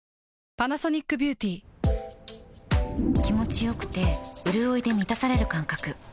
気持ちよくてうるおいで満たされる感覚